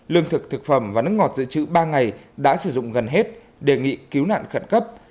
lương thực thực phẩm và nước ngọt dự trữ ba ngày đã sử dụng gần hết đề nghị cứu nạn khẩn cấp